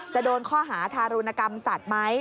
จะโดนข้อหาทารุณกรรมสัตว์ไหม